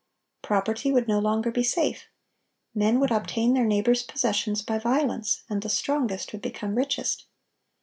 Property would no longer be safe. Men would obtain their neighbors' possessions by violence; and the strongest would become richest.